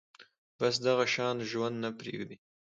بس دغه شان ژوند نه پرېږدي